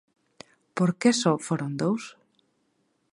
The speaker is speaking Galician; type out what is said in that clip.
Por que só foron dous?